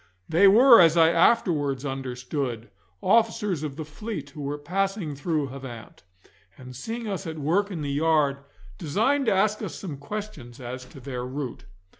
They were, as I afterwards understood, officers of the fleet who were passing through Havant, and seeing us at work in the yard, designed to ask us some question as to their route.